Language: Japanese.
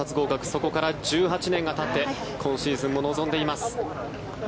そこから１８年がたって今シーズンも臨んでいます。